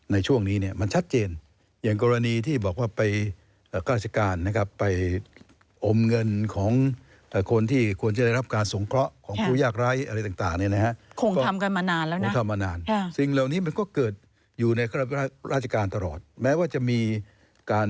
ในช่วงนี้นี่มันชัดเจนอย่างกรณีที่บอกว่าไปราชิการ